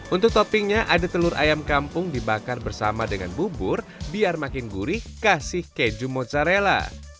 untuk toppingnya ada telur ayam kampung dibakar bersama dengan bubur biar makin gurih kasih keju mozzarella